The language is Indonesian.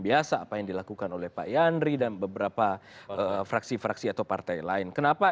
biasa apa yang dilakukan oleh pak yandri dan beberapa fraksi fraksi atau partai lain kenapa